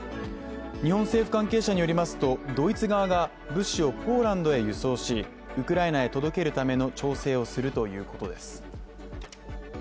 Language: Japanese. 日本政府関係者によりますと、ドイツ側が物資をポーランドへ輸送し、ウクライナへ届けるための調整をするということです。